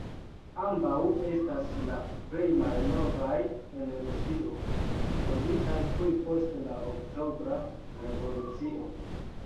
Ambaŭ estas la plej malnovaj en Rusio, fonditaj tuj post la Oktobra revolucio.